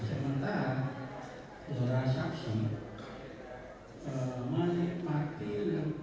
uang anda beruang apa tidak